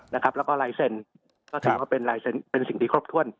แล้วก็ลายเซ็นต์ก็ถือว่าเป็นสิ่งที่ครบถ้วน